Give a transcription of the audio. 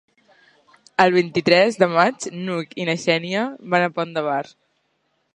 El vint-i-tres de maig n'Hug i na Xènia van al Pont de Bar.